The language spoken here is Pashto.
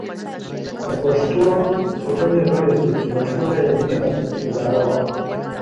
د پښتو ټولنې غړی شو چې مشهوره علمي اداره وه.